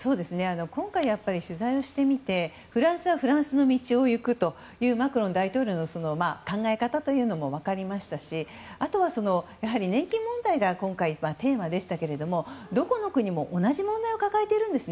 今回、取材をしてみてフランスはフランスの道を行くというマクロン大統領の考え方も分かりましたしあとは年金問題が今回、テーマでしたけどどこの国も同じ問題を抱えているんです。